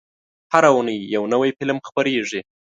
هره اونۍ یو نوی فلم خپرېږي.